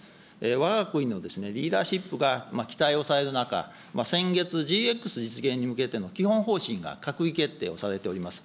わが国のリーダーシップが期待をされる中、先月、ＧＸ実現に向けての基本方針が閣議を決定をされております。